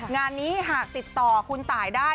งานนี้หากติดต่อคุณตายได้